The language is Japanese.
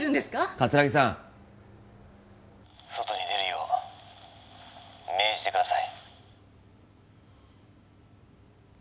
葛城さん外に出るよう命じてください